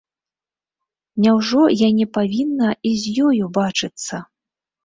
Няўжо я не павінна і з ёю бачыцца?